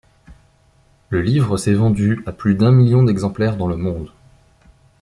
Le livre s'est vendu à plus d'un million d'exemplaires dans le monde.